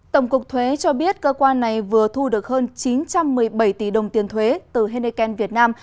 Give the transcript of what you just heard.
tổng cục thuế cho biết cơ quan này vừa thu được hơn chín trăm một mươi bảy tỷ đồng tiền thuế từ henneken việt nam